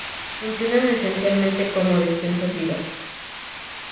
Funcionan esencialmente como despensas vivas.